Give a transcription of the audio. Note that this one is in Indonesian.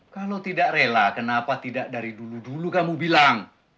kalau tidak rela kenapa tidak dari dulu dulu kamu bilang